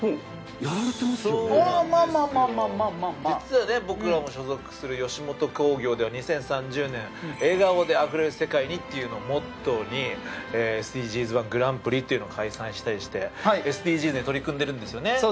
実は僕らも所属する吉本興業では２０３０年笑顔であふれる世界にっていうのをモットーに「ＳＤＧｓ−１グランプリ」っていうのを開催したりしてＳＤＧｓに取り組んでるんですよね。